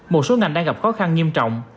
một số ngành đang gặp khó khăn nghiêm trọng